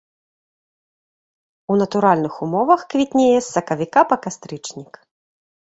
У натуральных умовах квітнее з сакавіка па кастрычнік.